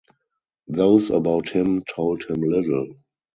Those about him told him little.